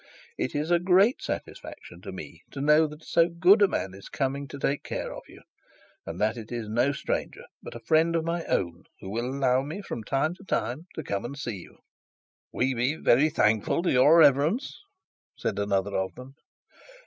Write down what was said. It is a great satisfaction to me to know that so good a man is coming to take care of you, and that it is no stranger, but a friend of my own, who will allow me from time to time to come in and see you.' 'We be thankful to your reverence,' said another of them.